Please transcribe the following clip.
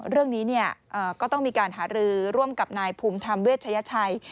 เรื่องนี้ก็ต้องมีการหารือร่วมกับนายภูมิธรรมเวชยชัย